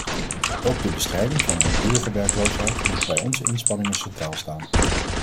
Ook de bestrijding van langdurige werkloosheid moet bij onze inspanningen centraal staan.